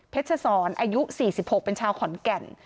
เพชฌศรอายุสี่สิบหกเป็นชาวขอนแก่น